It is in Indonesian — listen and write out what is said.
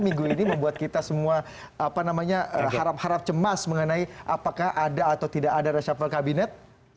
minggu ini membuat kita semua harap harap cemas mengenai apakah ada atau tidak ada reshuffle kabinet